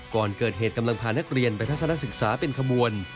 ก่อนเกิดเหตุกำลังพานักเรียนไปทัศนศึกษาเป็นขบวน